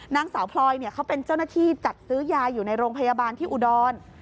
นางสาวพลอยเขาเป็นเจ้าหน้าที่จัดซื้อยาอยู่ในโรงพยาบาลที่อุดร